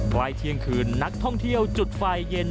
เที่ยงคืนนักท่องเที่ยวจุดไฟเย็น